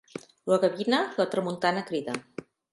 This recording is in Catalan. La gavina, la tramuntana crida.